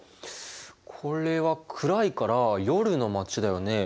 これは暗いから夜の街だよね。